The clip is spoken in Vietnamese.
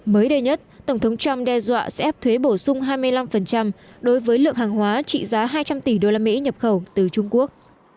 mới đây nhất tổng thống trump đe dọa sẽ áp thuế bổ sung hai mươi năm đối với lượng hàng hóa trị giá hai trăm linh tỷ usd nhập khẩu từ trung quốc